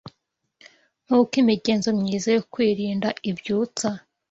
nkuko imigenzo myiza yo kwirinda ibyibutsa